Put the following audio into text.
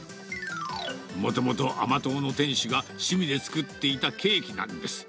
もともと甘党の店主が趣味で作っていたケーキなんです。